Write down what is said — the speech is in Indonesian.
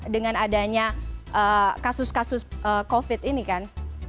dengan adanya kasus kasus covid ini kan